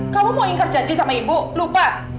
kamu mau ingkar janji sama ibu lupa